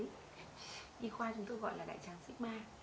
y khoa chúng tôi gọi là đại tràng sigma